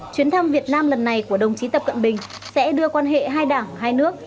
chuyến thăm việt nam lần này của đồng chí tập cận bình sẽ đưa quan hệ hai đảng hai nước